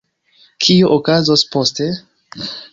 Kio okazos poste?